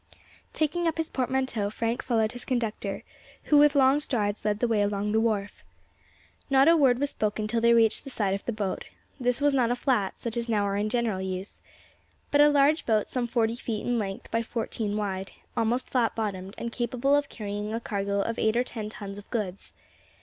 Taking up his portmanteau, Frank followed his conductor, who with long strides led the way along the wharf. Not a word was spoken till they reached the side of the boat. This was not a flat such as now are in general use, but a large boat some forty feet in length by fourteen wide, almost flat bottomed, and capable of carrying a cargo of eight or ten tons of goods.